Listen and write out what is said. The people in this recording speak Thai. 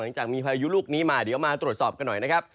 หลังจากมีพายุลูกนี้มาเดี๋ยวมาตรวจสอบกันหน่อยนะครับ